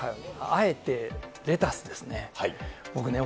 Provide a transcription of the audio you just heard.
あえて、レタスですね。